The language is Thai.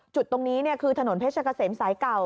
จุดตรงนี้คือถนนเพชรเกษมสายเก่า